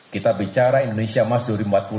kita bicara indonesia mas duri empat puluh lima